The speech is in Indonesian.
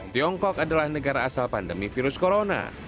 tiongkok adalah negara asal pandemi virus corona